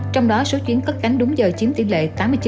trong đó số chuyến cất cánh đúng giờ chiếm tỷ lệ tám mươi chín